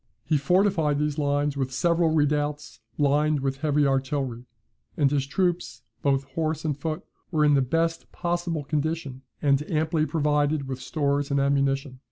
He fortified these lines with several redoubts, lined with heavy artillery; and his troops, both horse and foot, were in the best possible condition, and amply provided with stores and ammunition.